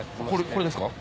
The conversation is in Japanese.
これですか？